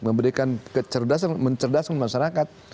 memberikan kecerdasan mencerdasan masyarakat